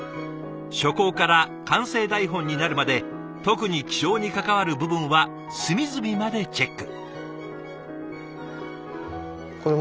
初稿から完成台本になるまで特に気象に関わる部分は隅々までチェック。